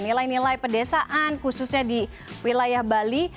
nilai nilai pedesaan khususnya di wilayah bali